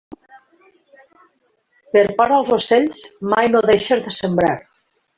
Per por als ocells, mai no deixes de sembrar.